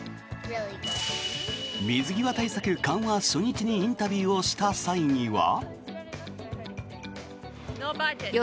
水際対策緩和初日にインタビューをした際には。